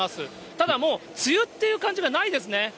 ただもう、梅雨っていう感じがないですね。